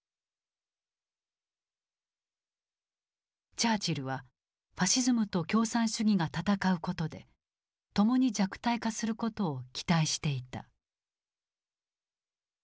チャーチルはファシズムと共産主義が戦うことで共に弱体化することを期待していた。